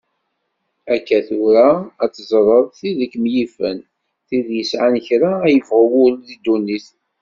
Akka tura ad teẓreḍ tid i kem-yifen, tid yesɛan kra ara yebɣu wul deg dunnit.